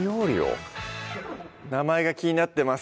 名前が気になってます